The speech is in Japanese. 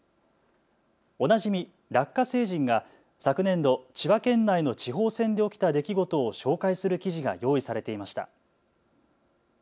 おなじみラッカ星人が昨年度、千葉県内の地方選で起きた出来事を紹介する記事が用意されていました。